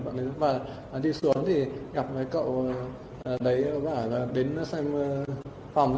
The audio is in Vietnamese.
và đi xuống thì gặp với cậu đấy và đến xem phòng